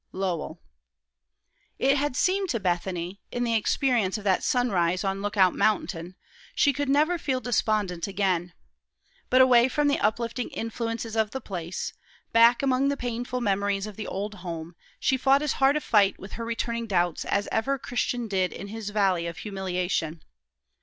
Lowell. IT had seemed to Bethany, in the experience of that sunrise on Lookout Mountain, she could never feel despondent again; but away from the uplifting influences of the place, back among the painful memories of the old home, she fought as hard a fight with her returning doubts as ever Christian did in his Valley of Humiliation.